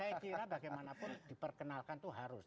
saya kira bagaimanapun diperkenalkan itu harus